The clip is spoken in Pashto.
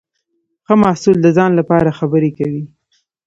ښه محصول د ځان لپاره خبرې کوي.